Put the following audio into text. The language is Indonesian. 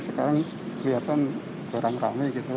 sekarang kelihatan kurang rame gitu